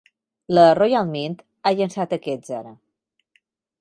La "Royal Mint" ha llançat aquests ara.